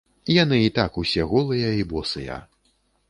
Яны і так ўсе голыя і босыя.